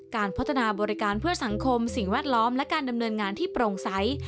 การพัฒนาบริการเพื่อสังคมสิ่งแวดล้อมและการดำเนินงานที่โปร่งใส